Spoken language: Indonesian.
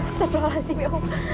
setelah si miho